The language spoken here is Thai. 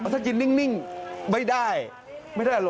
ถ้ากินนิ่งไม่ได้